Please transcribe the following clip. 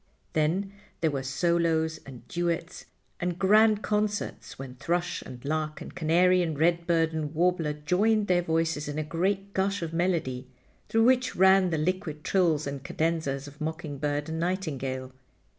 Then there were solos, and duets, and grand concerts, when thrush and lark and canary and redbird and warbler joined their voices in a great gush of melody through which ran the liquid trills and cadenzas of mocking bird and nightingale.